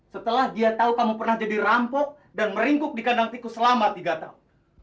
setelah dia tahu kamu pernah jadi rampok dan meringkuk di kandang tikus selama tiga tahun